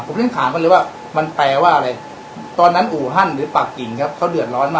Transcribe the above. ผมเล่นถามกันเลยว่ามันแปลว่าอะไรตอนนั้นอู่ฮั่นหรือปากกิ่งครับเขาเดือดร้อนมาก